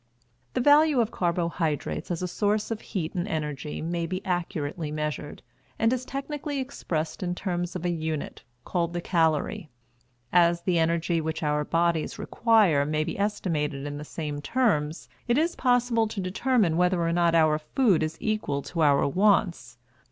The value of carbohydrates as a source of heat and energy may be accurately measured, and is technically expressed in terms of a unit, called the calorie. As the energy which our bodies require may be estimated in the same terms, it is possible to determine whether or not our food is equal to our wants.